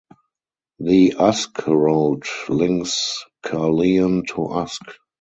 The Usk Road links Caerleon to Usk.